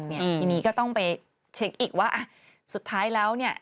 ทีนี้ก็ต้องไปเช็คอีกว่าสุดท้ายแล้วเนี่ย